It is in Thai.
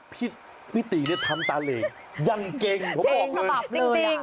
พี่ตีนี่ทำตาเหล่งยังเก่งผมบอกเลย